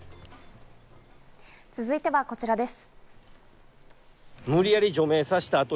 続いてはこちらです。